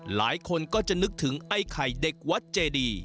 หลายคนก็จะนึกถึงไอ้ไข่เด็กวัดเจดี